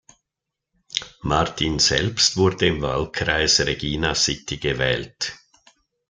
Martin selbst wurde im Wahlkreis Regina City gewählt.